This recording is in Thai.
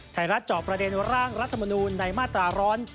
ไทยรัฐจอบประเด็นว่าร่างรัฐมนูลในมาตราร้อน